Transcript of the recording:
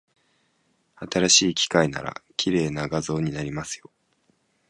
新しい機械なら、綺麗な画像になりますよ。